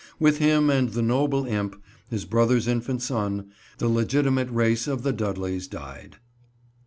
With him and the "noble Impe," his brother's infant son, the legitimate race of the Dudleys died.